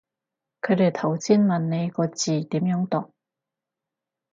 佢哋頭先問你個字點樣讀